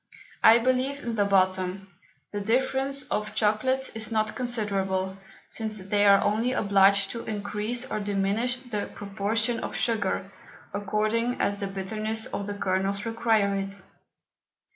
I believe in the bottom, the difference of Chocolates is not considerable, since they are only obliged to encrease or diminish the Proportion of Sugar, according as the Bitterness of the Kernels require it.